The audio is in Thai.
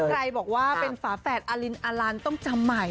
ใครบอกว่าเป็นฝาแฝดอลินอลันต้องจำใหม่